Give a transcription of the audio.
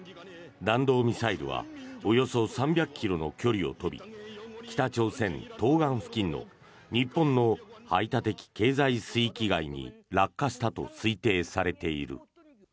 弾道ミサイルはおよそ３００ｋｍの距離を飛び北朝鮮東岸付近の日本の排他的経済水域外に落下したと推定されている。